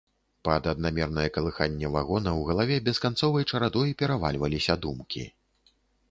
Пад аднамернае калыханне вагона ў галаве бесканцовай чарадой перавальваліся думкі.